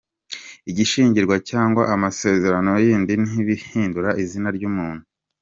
Ishyingirwa cyangwa amasezerano y’idini ntibihindura izina ry’umuntu.